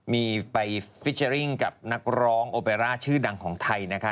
มีไปฟิเจอร์ริ่งกับนักร้องโอเปร่าชื่อดังของไทยนะคะ